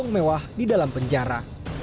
dan seumewah di dalam penjara